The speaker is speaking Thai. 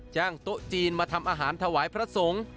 โต๊ะจีนมาทำอาหารถวายพระสงฆ์